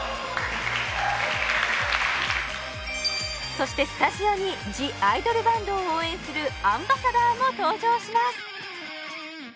そしてスタジオに「ＴＨＥＩＤＯＬＢＡＮＤ」を応援するアンバサダーも登場します